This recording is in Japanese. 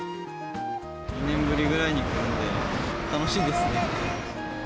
２年ぶりくらいに来たので、楽しいですね。